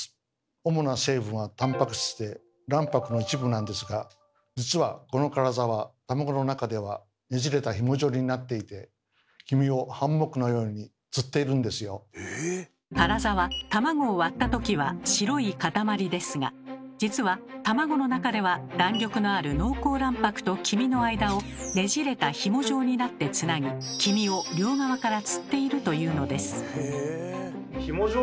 主な成分はタンパク質で卵白の一部なんですが実はこのカラザはカラザは卵を割ったときは白い塊ですが実は卵の中では弾力のある濃厚卵白と黄身の間をねじれたひも状になってつなぎ黄身を両側からつっているというのです。